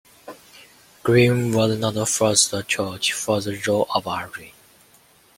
Greene was not the first choice for the role of Audrey.